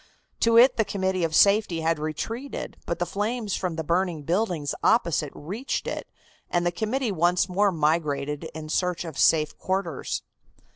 To it the Committee of Safety had retreated, but the flames from the burning buildings opposite reached it, and the committee once more migrated in search of safe quarters.